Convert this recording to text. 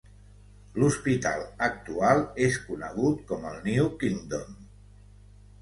L'hospital actual és conegut com el "New Kingdom".